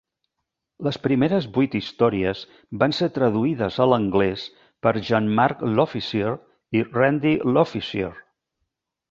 Les primeres vuit històries van ser traduïdes a l'anglès per Jean-Marc Lofficier i Randy Lofficier.